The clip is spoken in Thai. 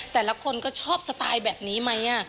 แต่ละคนก็ชอบสไตล์แบบนี้ไหม